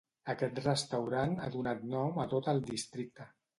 Aquest restaurant ha donat nom a tot el districte.